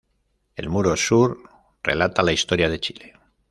El muro sur relata la historia de Chile.